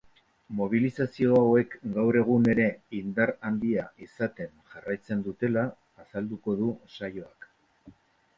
Mobilizazio hauek gaur egun ere indar handia izaten jarraitzen dutela azalduko du saioak.